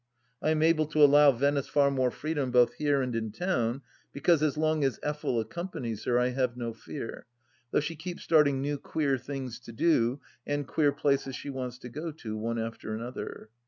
I am able to allow Venice far more freedom both here and in town, because as long as Effel accompanies her I have no fear, though she keeps starting new queer things to do and queer places she wants to go to, one after another.